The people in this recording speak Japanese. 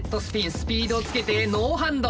スピードをつけてノーハンド。